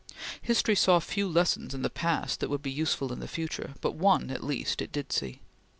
History saw few lessons in the past that would be useful in the future; but one, at least, it did see.